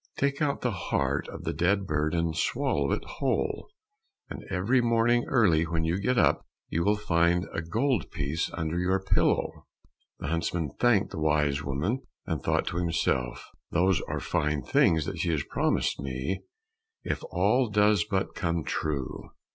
Take out the heart of the dead bird and swallow it whole, and every morning early, when you get up, you will find a gold piece under your pillow." The huntsman thanked the wise woman, and thought to himself, "Those are fine things that she has promised me, if all does but come true."